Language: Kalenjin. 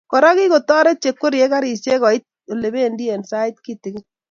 Kora kikotoret cheikwerie karisiek koit olebendi eng sait kitikin